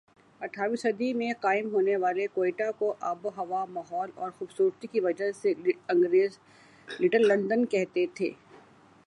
اٹھارہویں صدی میں قائم ہونے والے کوئٹہ کو آب و ہوا ماحول اور خوبصورتی کی وجہ سے انگریز لٹل لندن کہتے تھے